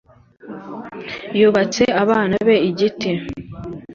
yubatse abana be igiti.